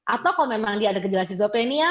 atau kalau memang dia ada gejala skizoprenea